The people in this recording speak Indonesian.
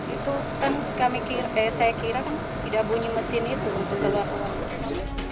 itu kan saya kira kan tidak bunyi mesin itu untuk keluar uang